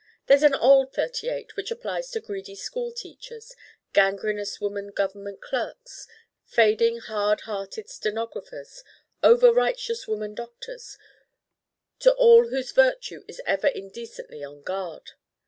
There's an old thirty eight which applies to greedy school teachers, gangrenous woman government clerks, fading hard hearted stenographers, over righteous woman doctors; to all whose virtue is ever indecently on guard.